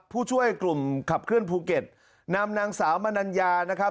ผู้ช่วยกลุ่มขับเคลื่อนภูเก็ตนำนางสาวมนัญญานะครับ